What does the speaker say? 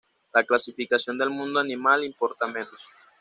La clasificación del mundo animal importa menos.